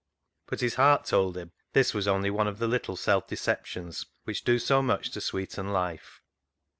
But his heart told him this was only one of the little self deceptions which do so much to sweeten life.